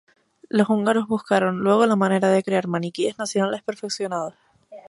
Los húngaros buscaron luego la manera de crear maniquíes nacionales perfeccionados.